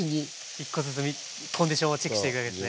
１個ずつコンディションをチェックしていくわけですね。